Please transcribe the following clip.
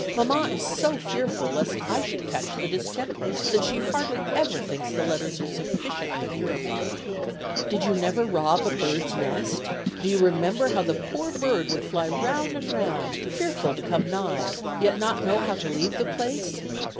Mamma is so fearful lest I should catch the distemper, that she hardly ever thinks the letters are sufficiently purified. Did you never rob a bird's nest? Do you remember how the poor bird would fly round and round, fearful to come nigh, yet not know how to leave the place?